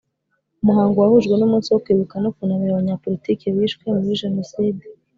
Umuhango wahujwe n’umunsi wo Kwibuka no kunamira Abanyapolitiki bishwe muri Jenoside.